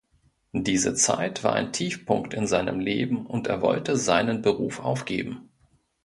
Diese Zeit war ein Tiefpunkt in seinem Leben und er wollte seinen Beruf aufgeben.